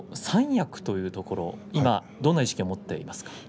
三役というところどんな意識を持っていますか？